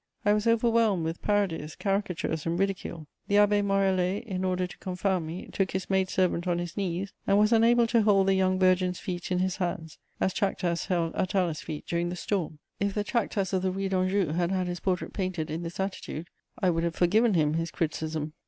I was overwhelmed with parodies, caricatures and ridicule. The Abbé Morellet, in order to confound me, took his maid servant on his knees and was unable to hold the young virgin's feet in his hands, as Chactas held Atala's feet during the storm: if the Chactas of the Rue d'Anjou had had his portrait painted in this attitude, I would have forgiven him his criticism.